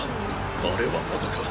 あれはまさか！